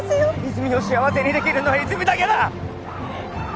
泉を幸せにできるのは泉だけだ！